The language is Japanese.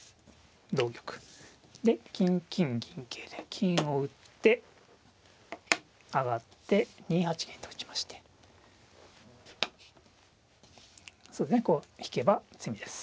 で金金銀桂で金を打って上がって２八銀と打ちましてこう引けば詰みです。